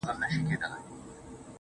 • چي ښکلي سترګي ستا وویني_